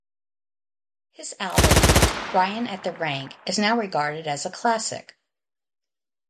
His album, "Ryan at the Rank", is now regarded as a classic.